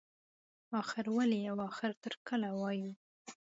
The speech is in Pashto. اخر ولې او اخر تر کله وایو.